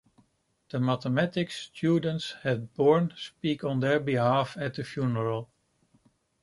The mathematics students had Born speak on their behalf at the funeral.